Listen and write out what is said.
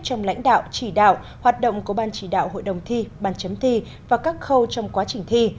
trong lãnh đạo chỉ đạo hoạt động của ban chỉ đạo hội đồng thi ban chấm thi và các khâu trong quá trình thi